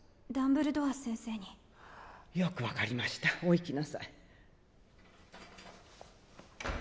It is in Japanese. ダンブルドア先生によく分かりましたお行きなさい